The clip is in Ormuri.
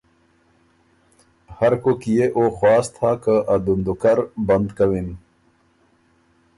هرکوک کی يې او خواست هۀ که ا دُندُوکر بند کَوِن